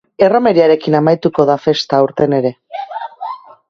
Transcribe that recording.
Erromeriarekin amaituko da festa aurten ere.